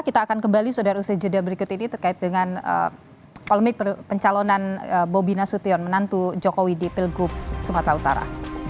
kita akan kembali saudara usaha jeda berikut ini terkait dengan polemik pencalonan bobi nasution menantu jokowi di pilgub sumatera utara